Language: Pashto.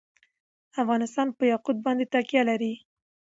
افغانستان په یاقوت باندې تکیه لري.